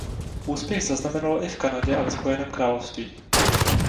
Úspěch zaznamenalo i v Kanadě a ve Spojeném království.